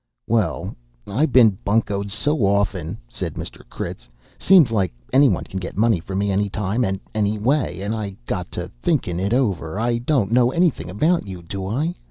"Well, I been buncoed so often," said Mr. Critz. "Seem's like any one can get money from me any time and any way, and I got to thinkin' it over. I don't know anything about you, do I?